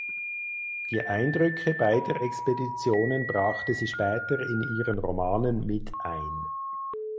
Die Eindrücke beider Expeditionen brachte sie später in ihren Romanen mit ein.